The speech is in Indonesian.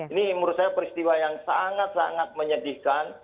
ini menurut saya peristiwa yang sangat sangat menyedihkan